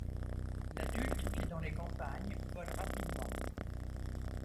L'adulte vit dans les campagnes, vole rapidement.